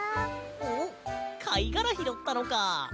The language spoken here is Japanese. おっかいがらひろったのか。